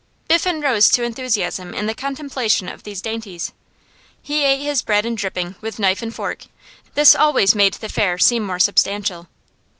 Biffen rose to enthusiasm in the contemplation of these dainties. He ate his bread and dripping with knife and fork; this always made the fare seem more substantial.